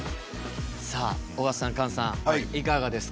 さあ尾形さん菅さんいかがですか？